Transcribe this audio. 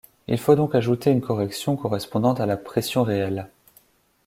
Il faut donc ajouter une correction correspondant à la pression réelle.